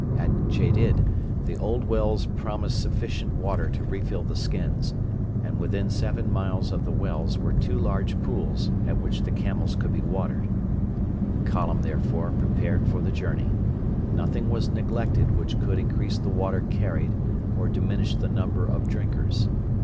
At Gedid the old wells promised sufficient water to refill the skins, and within seven miles of the wells were two large pools at which the camels could be watered. The column, therefore, prepared for the journey. Nothing was neglected which could increase the water carried or diminish the number of drinkers.